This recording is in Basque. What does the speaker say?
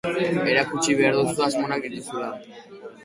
Erakutsi behar duzu asmo onak dituzula.